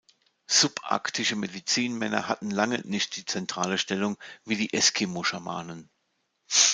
Subarktische Medizinmänner hatten lange nicht die zentrale Stellung wie die Eskimo-Schamanen.